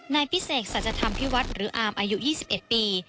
นายพิเศษสัจธรรมพิวัฒน์หรืออามอายุ๒๑ปี